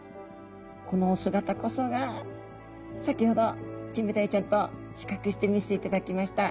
このお姿こそが先ほどキンメダイちゃんと比較して見せていただきました